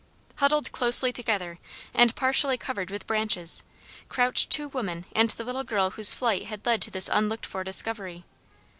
"Huddled closely together, and partially covered with branches, crouched two women and the little girl whose flight had led to this unlooked for discovery.